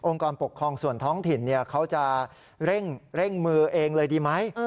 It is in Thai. กรปกครองส่วนท้องถิ่นเขาจะเร่งมือเองเลยดีไหม